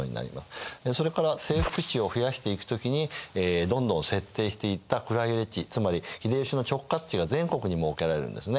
それから征服地を増やしていく時にどんどん設定していった蔵入地つまり秀吉の直轄地が全国に設けられるんですね。